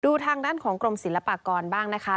ทางด้านของกรมศิลปากรบ้างนะคะ